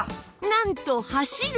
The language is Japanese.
なんと走る！